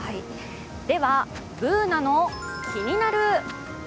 では、「ＢｏｏｎａのキニナルＬＩＦＥ」。